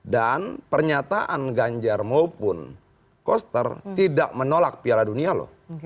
dan pernyataan ganjar maupun koster tidak menolak piala dunia loh